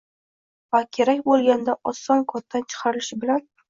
va kerak bo‘lganda oson koddan chiqarilishi bilan